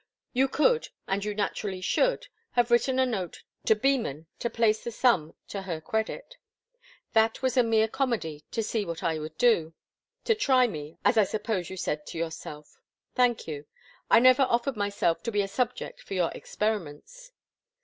You could, and you naturally should, have written a note to Beman to place the sum to her credit. That was a mere comedy, to see what I would do to try me, as I suppose you said to yourself. Thank you. I never offered myself to be a subject for your experiments.